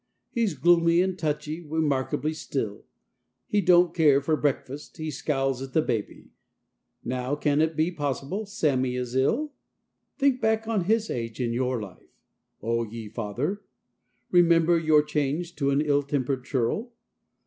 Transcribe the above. He's gloomy and touchy; remarkably still; He don't care for break¬ fast; he scowls at the baby; now can it be possible Sammy is ill? Think back on his age in your life, oh, ye father; remember your change to an ill tempered churl.